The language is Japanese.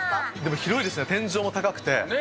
広いですね、天井も高くて。